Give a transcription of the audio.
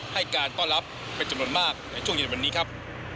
ให้การต้อนรับเป็นจำนวนมากในช่วงเย็นวันนี้ครับ